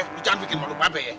eh lu jangan bikin malu babay ya